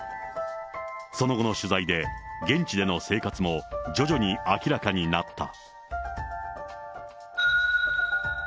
その後の取材で、現地での生活も徐々に明らかになった。